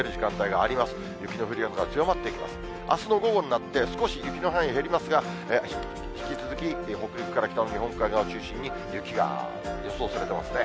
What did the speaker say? あすの午後になって、少し雪の範囲、減りますが、引き続き北陸から北の日本海側を中心に、雪が予想されていますね。